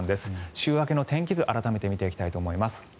週明けの天気図改めて見ていきたいと思います。